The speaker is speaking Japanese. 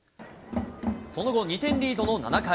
その後、２点リードの７回、